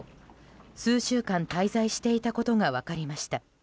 数週間滞在していたことが分かりました。